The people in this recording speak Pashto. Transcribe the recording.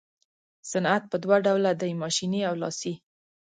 صنعت په دوه ډوله دی ماشیني او لاسي.